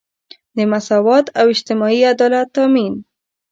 د مساوات او اجتماعي عدالت تامین.